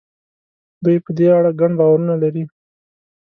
دوی په دې اړه ګڼ باورونه لري.